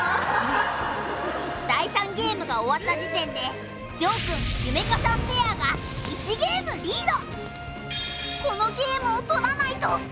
第３ゲームが終わった時点で譲くん夢果さんペアが１ゲームリード。